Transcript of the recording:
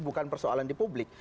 bukan persoalan di publik